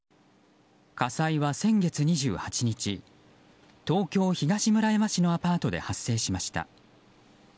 火災は先月２８日東京・東村山市のアパートで発生しました。